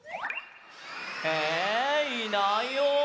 えいないよ！